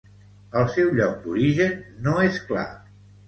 El seu lloc d'origen no és clar.